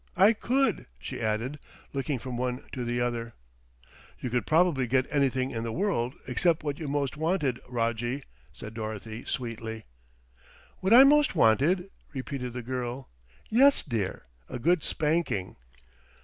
I could," she added, looking from one to the other. "You could probably get anything in the world except what you most wanted, Rojjie," said Dorothy sweetly. "What I most wanted," repeated the girl. "Yes, dear, a good spanking."